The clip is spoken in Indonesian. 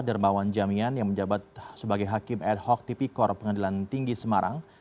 dermawan jamian yang menjabat sebagai hakim ad hoc tipikor pengadilan tinggi semarang